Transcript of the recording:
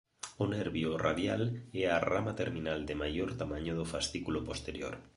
O nervio radial é a rama terminal de maior tamaño do fascículo posterior.